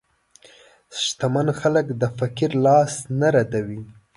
شتمن خلک د فقیر لاس نه ردوي.